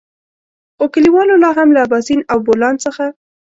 خو کليوالو لاهم له اباسين او بولان څخه.